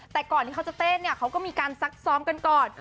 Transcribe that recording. แต่ก่อนที่เขาจะเต้นเนี่ยเขาก็มีการซักซ้อมกันก่อน